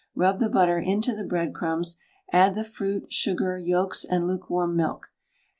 Rub the butter into the breadcrumbs, add the fruit, sugar, yolks, and lukewarm milk.